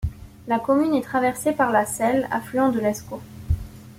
La commune est traversée par la Selle, affluent de l'Escaut.